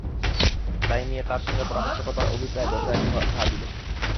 তাই নিয়ে তাঁর সঙ্গে পরামর্শ করবার অভিপ্রায়ে দরজায় ঘা দিলুম।